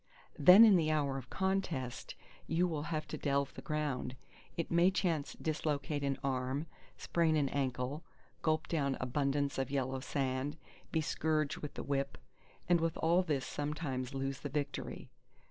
Then in the hour of contest, you will have to delve the ground, it may chance dislocate an arm, sprain an ankle, gulp down abundance of yellow sand, be scourge with the whip—and with all this sometimes lose the victory.